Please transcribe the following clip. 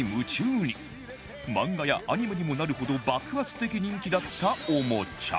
漫画やアニメにもなるほど爆発的人気だったおもちゃ